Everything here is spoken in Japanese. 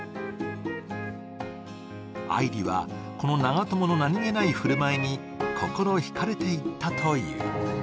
愛梨はこの長友の何気ない振る舞いに心ひかれていったという。